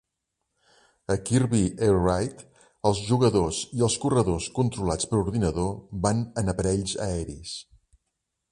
A "Kirby Air Ride", els jugadors i els corredors controlats per ordinador van en aparells aeris.